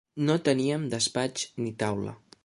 No teníem despatx, ni taula.